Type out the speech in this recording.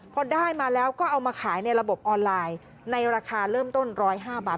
พอได้มาแล้วก็เอามาขายในระบบออนไลน์ในราคาเริ่มต้น๑๐๕บาท